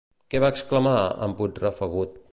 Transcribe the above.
Què va exclamar en Puigrafegut?